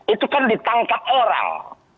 itu kan ditangkap orang